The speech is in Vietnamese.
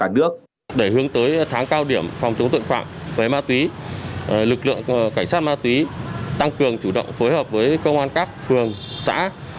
để hướng tới tháng cao điểm phòng chống tội phạm về ma túy lực lượng cảnh sát ma túy tăng cường chủ động phối hợp với công an các phường xã